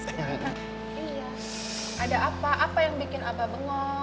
iya ada apa apa yang bikin abah bengo